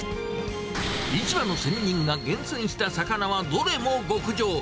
市場の仙人が厳選した魚はどれも極上。